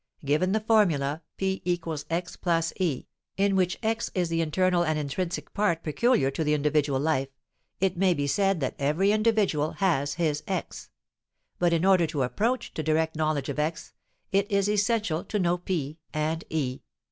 Given the formula P = X + E in which X is the internal and intrinsic part peculiar to the individual life, it may be said that every individual has his X. But in order to approach to direct knowledge of X, it is essential to know P and E.